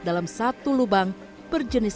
dalam satu lubang berjenis